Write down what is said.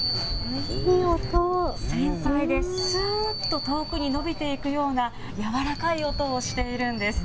繊細で、すーっと遠くにのびていくような柔らかい音をしているんです。